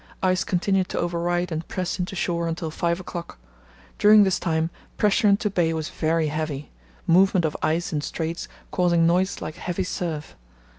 Ice continued to override and press into shore until 5 o'clock; during this time pressure into bay was very heavy; movement of ice in straits causing noise like heavy surf.